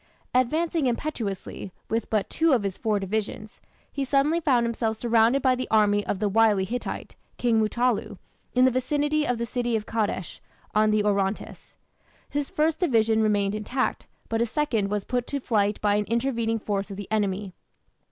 Advancing impetuously, with but two of his four divisions, he suddenly found himself surrounded by the army of the wily Hittite, King Mutallu, in the vicinity of the city of Kadesh, on the Orontes. His first division remained intact, but his second was put to flight by an intervening force of the enemy.